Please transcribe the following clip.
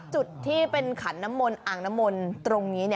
จุดที่เป็นขันน้ำมนตอ่างน้ำมนต์ตรงนี้